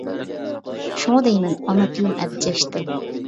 شۇڭا دەيمەن ئانا تىلىم ئەبجەش تىل.